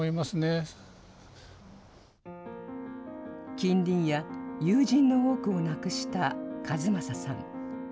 近隣や友人の多くを亡くした一正さん。